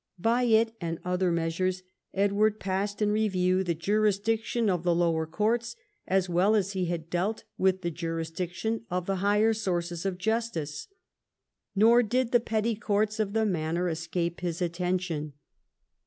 By it and other measures Edward passed in review the jurisdiction of the lower courts as well as he had dealt with the jurisdiction of the higher sources of justice. Nor did the petty courts of the manor escape his atten tion.